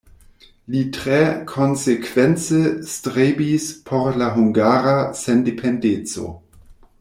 Li tre konsekvence strebis por la hungara sendependeco.